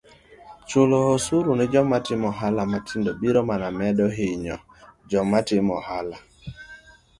chulo osuru ne joma timo ohala matin biro medo mana hinyo joma timo ohala